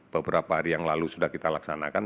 beberapa hari yang lalu sudah kita laksanakan